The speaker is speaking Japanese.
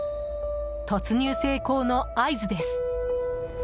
突入成功の合図です。